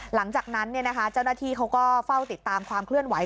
หลังจากนั้นเจ้าหน้าที่เขาก็เฝ้าติดตามความเคลื่อนไหว